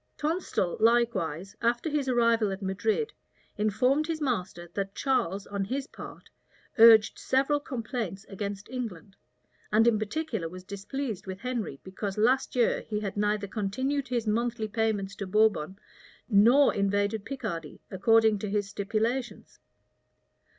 Tonstal, likewise, after his arrival at Madrid, informed his master that Charles, on his part, urged several complaints against England; and in particular was displeased with Henry, because last year he had neither continued his monthly payments to Bourbon nor invaded Picardy, according to his stipulations.